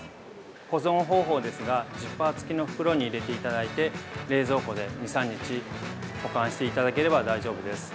保存方法ですがジッパー付きの袋に入れていただいて冷蔵庫で２３日保管していただければ大丈夫です。